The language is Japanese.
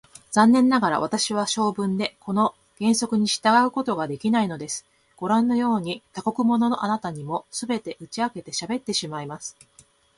残念ながら、私は性分でこの原則に従うことができないのです。ごらんのように、他国者のあなたにも、すべて打ち明けてしゃべってしまいます。